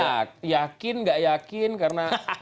ini yakin nggak yakin karena